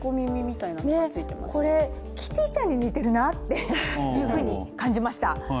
これ、キティちゃんに似ているなって感じました。